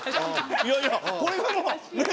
いやいやこれがまあねえ？